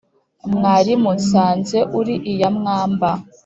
Mwarimu nsanze uri iya mwaamba!